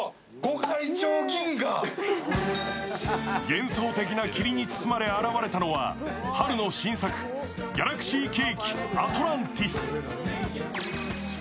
幻想的な霧に包まれ現れたのは、春の新作、ギャラクシーケーキアトランティス。